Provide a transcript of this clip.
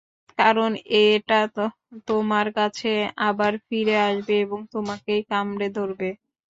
কারণ, এটা তোমার কাছে আবার ফিরে আসবে এবং তোমাকেই কামড়ে ধরবে।